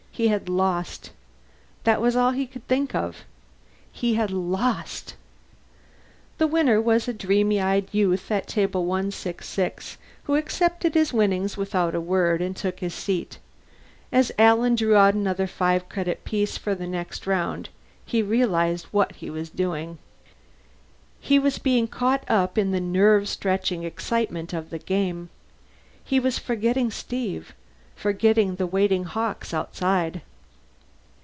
He had lost. That was all he could think of. He had lost. The winner was the dreamy eyed youth at Table 166, who accepted his winnings without a word and took his seat. As Alan drew out another five credit piece for the next round, he realized what he was doing. He was being caught up in the nerve stretching excitement of the game. He was forgetting Steve, forgetting the waiting Hawkes outside.